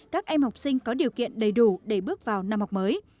các em học sinh có điều kiện đầy đủ để bước vào năm học mới